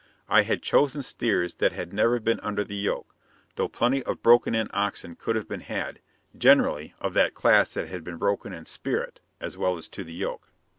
I had chosen steers that had never been under the yoke, though plenty of broken in oxen could have been had, generally of that class that had been broken in spirit as well as to the yoke.